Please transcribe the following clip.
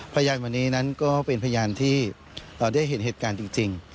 พยานวันนี้นั้นก็เป็นพยานที่ได้เห็นเหตุการณ์จริง